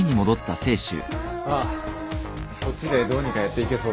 ああこっちでどうにかやっていけそうだ。